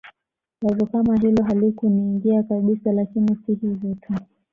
Wazo kama hilo halikuniingia kabisa Lakini si hivyo tu